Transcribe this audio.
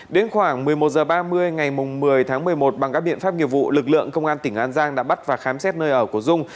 đến khoảng một mươi một h ba mươi ngày một mươi tháng một mươi một bằng các biện pháp nghiệp vụ lực lượng công an tỉnh an giang đã bắt và khám xét nơi ở của dung